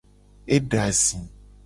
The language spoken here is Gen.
Eda zi.